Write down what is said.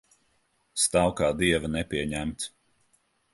Stāv kā dieva nepieņemts.